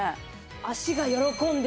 足が喜んでる。